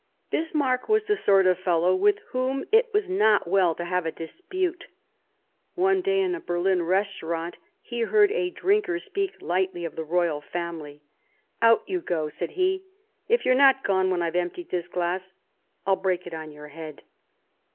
Bismarck was the sort of fellow with whom it was not well to have a dispute. One day in a Berlin restaurant he heard a drinker speak lightly of the Royal Family. " Out you go !" said he. " If you're not gone when I've emptied this glass, I'll break it on your head."